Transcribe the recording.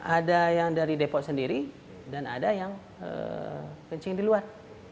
ada yang dari depok sendiri dan ada yang kencing di luar